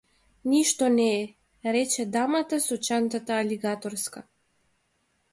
Ништо не е, рече дамата со чантата алигаторска.